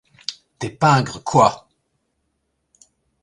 Des pingres, quoi !